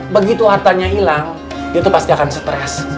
begitu hartanya hilang dia pasti akan stress